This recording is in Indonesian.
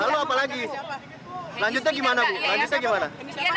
lalu apa lagi lanjutnya gimana bu lanjutnya gimana